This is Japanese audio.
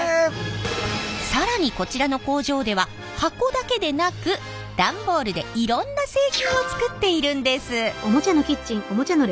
更にこちらの工場では箱だけでなく段ボールでいろんな製品を作っているんです。